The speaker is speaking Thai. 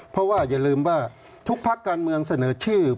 เพราะว่าอย่าลืมว่าทุกพักการเมืองเสนอชื่อ